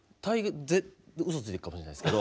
うそついてるかもしれないですけど。